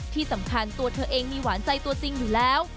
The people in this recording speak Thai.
ที่สำคัญตัวเธอเองมีหวานใจตัวจริงอยู่แล้ว